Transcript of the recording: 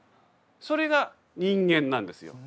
それが人間なんですよ。